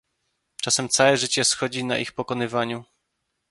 "Czasem całe życie schodzi na ich pokonywaniu."